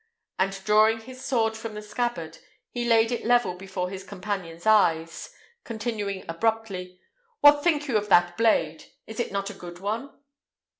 and drawing his sword from the scabbard, he laid it level before his companion's eyes, continuing abruptly, "what think you of that blade? is it not a good one?"